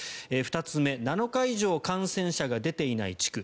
２つ目、７日以上感染者が出ていない地区。